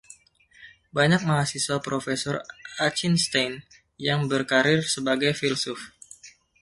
Banyak mahasiswa Profesor Achinstein yang berkarir sebagai filsuf.